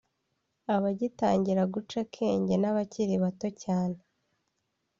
abagitangira guca akenge n’abakiri bato cyane